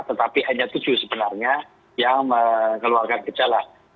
tetapi hanya tujuh sebenarnya yang mengeluarkan gejala